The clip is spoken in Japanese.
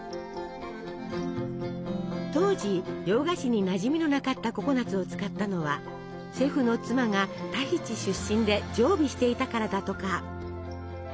当時洋菓子になじみのなかったココナツを使ったのはシェフの妻がタヒチ出身で常備していたからだとか。